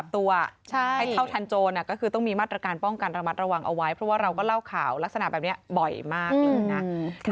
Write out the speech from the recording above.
เพราะว่าเราก็เล่าข่าวลักษณะแบบนี้บ่อยมากอยู่นะ